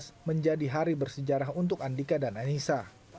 dua belas april dua ribu dua belas menjadi hari bersejarah untuk andika dan anissa